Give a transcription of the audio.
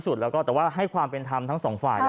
แต่ว่าให้ความเป็นธรรมทั้งสองฝ่าย